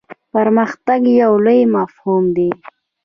پرمختګ یو لوی مفهوم دی.